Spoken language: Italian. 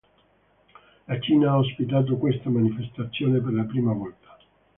La Cina ha ospitato questa manifestazione per la prima volta.